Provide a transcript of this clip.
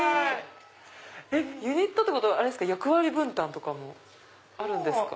ユニットってことは役割分担とかもあるんですか？